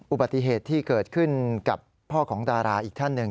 อุบัติเหตุที่เกิดขึ้นกับพ่อของดาราอีกท่านหนึ่ง